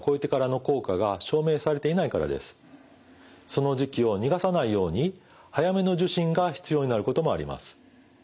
その時期を逃がさないように早めの受診が必要になることもあります。